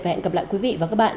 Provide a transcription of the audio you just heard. và hẹn gặp lại quý vị và các bạn